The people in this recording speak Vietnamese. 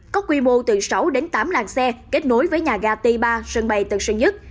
có quy mô từ sáu đến tám làng xe kết nối với nhà ga t ba sân bay tân sơn nhất